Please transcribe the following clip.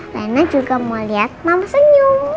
rena juga mau liat mama senyum